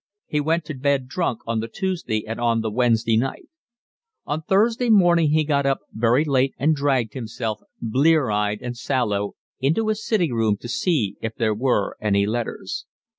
He went to bed drunk on the Tuesday and on the Wednesday night. On Thursday morning he got up very late and dragged himself, blear eyed and sallow, into his sitting room to see if there were any letters.